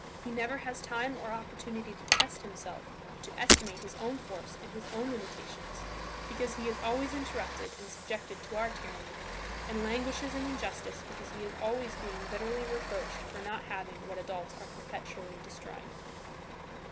He never has time or opportunity to test himself, to estimate his own force and his own limitations because he is always interrupted and subjected to our tyranny, and languishes in injustice because he is always being bitterly reproached for not having what adults are perpetually destroying.